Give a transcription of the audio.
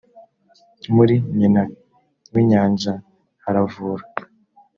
muri nyina w’ inyanja haravura